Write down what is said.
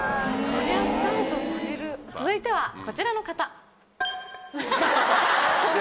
続いてはこちらの方。